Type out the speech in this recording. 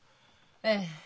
ええ。